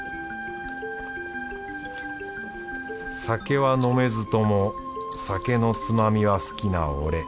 酒は飲めずとも酒のつまみは好きな俺